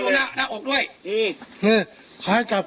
จุดไหร่ครับ